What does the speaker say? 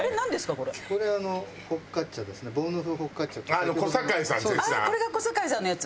これが小堺さんのやつ。